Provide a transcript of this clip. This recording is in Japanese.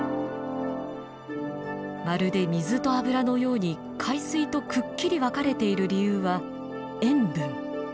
まるで水と油のように海水とくっきり分かれている理由は塩分。